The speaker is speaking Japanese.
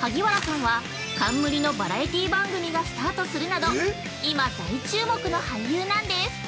萩原さんは、冠のバラエティー番組がスタートするなど今大注目の俳優なんです。